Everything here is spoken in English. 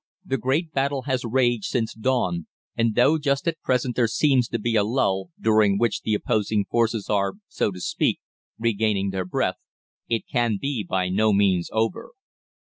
The great battle has raged since dawn, and though just at present there seems to be a lull, during which the opposing forces are, so to speak, regaining their breath, it can be by no means over.